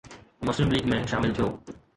مسلم ليگ ۾ شامل ٿيو